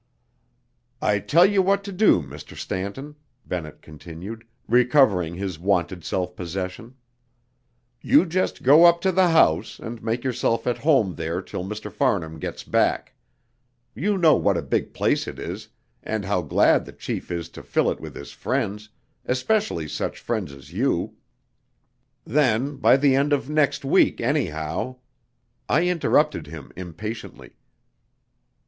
"I tell you what to do, Mr. Stanton," Bennett continued, recovering his wonted self possession. "You just go up to the house, and make yourself at home there till Mr. Farnham gets back. You know what a big place it is, and how glad the chief is to fill it with his friends, especially such friends as you. Then, by the end of next week, anyhow " I interrupted him impatiently.